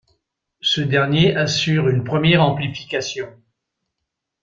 Ce dernier assure une première amplification.